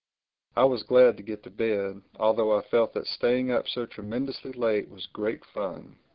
I was glad to get to bed, although I felt that staying up so tremendously late was great fun.